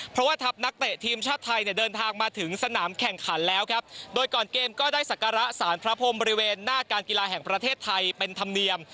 เพราะว่าทัพนักเตะทีมชาติไทยเนี่ยเดินทางมาถึงสนามแข่งขันแล้วครับโดยก่อนเกมก็ได้สักการะสารพระพรมบริเวณหน้าการกีฬาแห่งประเทศไทยเป็นธรรมเนียม